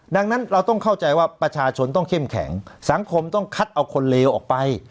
ดังนั้นเราต้องเข้าใจว่าประชาชนต้องเข้มแข็งสังคมต้องคัดเอาคนเลวออกไป